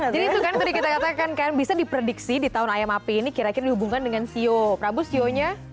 jadi itu kan tadi kita katakan kan bisa di prediksi di tahun ayam api ini kira kira dihubungkan dengan ceo prabu ceo nya